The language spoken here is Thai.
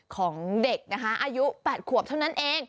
ของเด็กนะคะอายุ๘ขวบเท่านั้นเอง